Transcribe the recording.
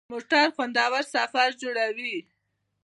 موټر خوندور سفر جوړوي.